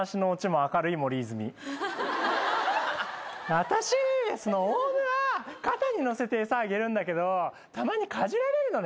私オウムは肩に乗せて餌あげるんだけどたまにかじられるのね。